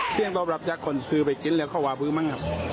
เชี่ยงตอบรับจากคนซื้อไปกินและเข้าหวาบื้อมั้งครับ